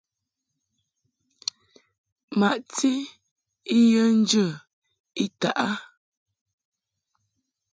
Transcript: Maʼti I ye njə I taʼ a.